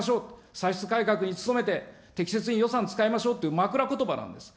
歳出改革に努めて、適切に予算使いましょうって、枕詞なんですか。